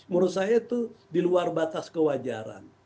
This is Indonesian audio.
menurut saya itu di luar batas kewajaran